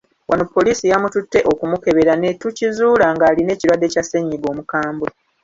Wano poliisi yamututte okumukebera ne tukizuula ng'alina ekirwadde kya ssennyiga omukambwe.